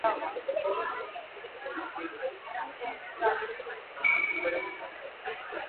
Zaleak eta jokalariak, txartela ospatzen.